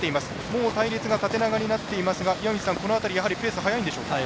もう隊列が縦長になっていますがこの辺りペース速いんでしょうか。